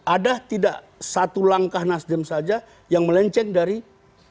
ada tidak satu langkah nasdem saja yang melenceng dari prabowo